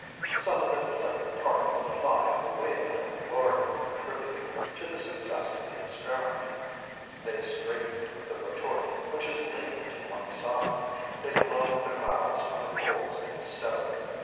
Some of them play the part of the fly on the wheel and glory in contributing to the success of the experiment. They straighten the retort, which is leaning to one side; they blow with their mouths on the coals in the stove.